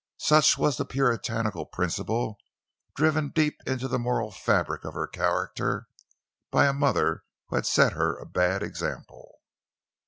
Such was the puritanical principle driven deep into the moral fabric of her character by a mother who had set her a bad example.